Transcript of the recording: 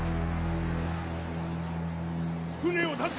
船を出せ！